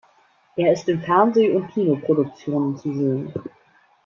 Er ist in Fernseh- und Kinoproduktionen zu sehen.